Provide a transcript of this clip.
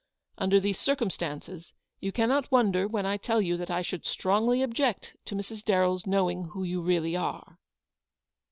Under these circumstances you cannot wonder when I tell you that I should strongly object to Mrs. Darren's knowing who you really are."